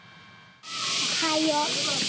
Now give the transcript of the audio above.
おはよう。